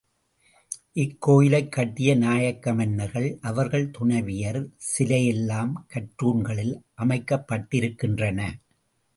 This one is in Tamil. இக்கோயிலைக் கட்டிய நாயக்க மன்னர்கள், அவர்கள் துணைவியர் சிலை எல்லாம் கற்றூண்களில் அமைக்கப்பட்டிருக்கின்றன.